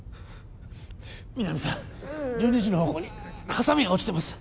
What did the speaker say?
皆実さん１２時の方向にハサミが落ちてます